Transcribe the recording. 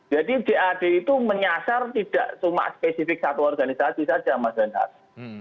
jadi jad itu menyasar tidak cuma spesifik satu organisasi saja mas zainal